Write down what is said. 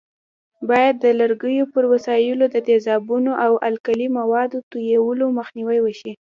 باید د لرګیو پر وسایلو د تیزابونو او القلي موادو توېدلو مخنیوی وشي.